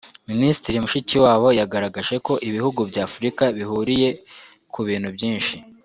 Minisitiri Mushikiwabo yagaragaje ko ibihugu bya Afurika bihuriye ku bintu byinshi